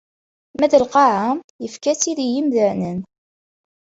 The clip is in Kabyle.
Ma d lqaɛa, ifka-tt-id i yimdanen.